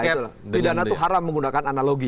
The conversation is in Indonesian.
ya itu lah pidana itu haram menggunakan analogi